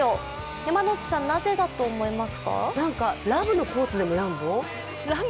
山内さん、なんでだと思います？